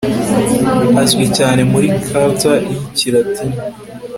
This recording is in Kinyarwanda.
Azwi cyane muri Quarter yIkilatini